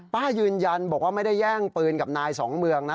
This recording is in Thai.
ป้ายืนยันบอกว่าไม่ได้แย่งปืนกับนายสองเมืองนะ